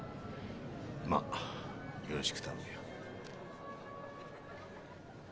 まっよろしく頼むよ。